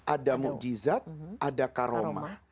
ada mujizat ada karomah